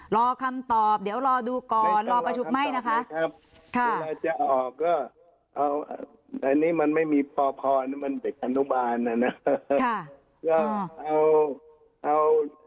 รอคำตอบเดี๋ยวรอดูก่อนรอประชุมไม่นะคะ